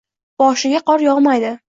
Boshiga qor yog’maydi.